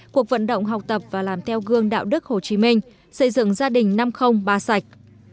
cuộc vận động học tập và làm theo gương đạo đức hồ chí minh xây dựng gia đình năm trăm linh ba sạch